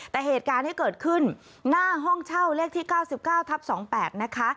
แต่เหตุการณ์ที่เกิดขึ้นหน้าห้องเช่าเลขที่๙๙ทับ๒๘นะคะ